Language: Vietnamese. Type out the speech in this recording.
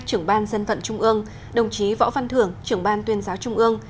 trưởng ban dân vận trung ương đồng chí võ văn thưởng trưởng ban tuyên giáo trung ương